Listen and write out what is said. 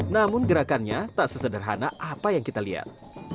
namun gerakannya tak sesederhana apa yang kita lihat